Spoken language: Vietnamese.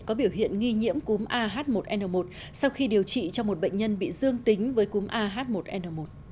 có biểu hiện nghi nhiễm cúm ah một n một sau khi điều trị cho một bệnh nhân bị dương tính với cúm ah một n một